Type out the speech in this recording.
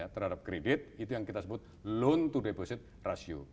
terhadap kredit itu yang kita sebut loan to deposit ratio